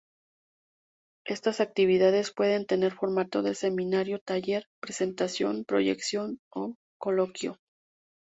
Estas actividades pueden tener formato de seminario, taller, presentación, proyección o coloquio.